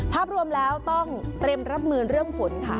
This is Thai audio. ภาพรวมแล้วต้องเตรียมรับมือเรื่องฝนค่ะ